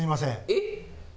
えっ？